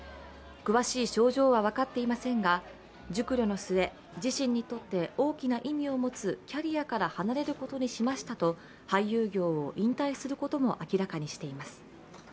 詳しい症状は分かっていませんが熟慮の末自身にとって大きな意味を持つキャリアから離れることにしましたと俳優業を引退することを明らかにしています。